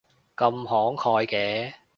咁慷慨嘅